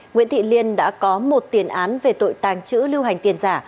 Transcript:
nguyễn thị liên đã có một tiền án về tội tàng trữ lưu hành tiền giả